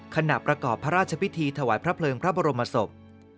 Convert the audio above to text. ขณะประกอบพระราชพิธีถวายพระเพลิงพระบรมศพ